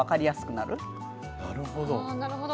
なるほど。